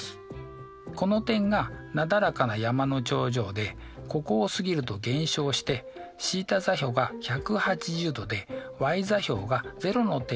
この点がなだらかな山の頂上でここを過ぎると減少してθ座標が１８０°でｙ座標が０の点に来ます。